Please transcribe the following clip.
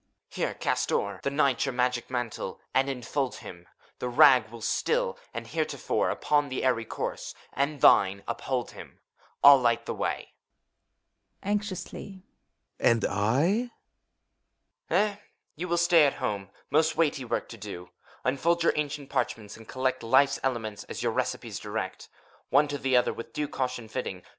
Here! cast o'er The knight your magic mantle, and infold him I The rag will still, as heretofore, Upon his airy course — and thine — ^uphold him. Ill light the way. WAGNER (anxiously), Audi? HOMUNCULUS. Ehf You Will stay at home, most weighty work to do. Unfold your ancient parchments, and collect Life's elements as your recipes direct. One to the other with due caution fitting.